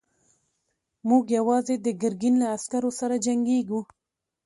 موږ يواځې د ګرګين له عسکرو سره جنګېږو.